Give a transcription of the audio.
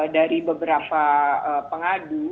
dari beberapa pengadu